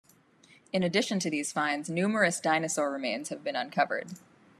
In addition to these finds, numerous dinosaur remains have been uncovered.